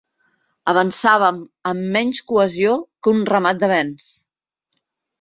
Avançàvem amb menys cohesió que un ramat de bens